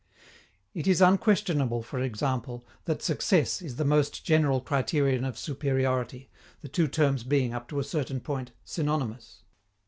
It is unquestionable, for example, that success is the most general criterion of superiority, the two terms being, up to a certain point, synonymous.